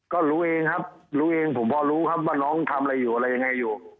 ก็รู้เองครับรู้เองผมพอรู้ครับว่าน้องทำอะไรอยู่อะไรยังไงอยู่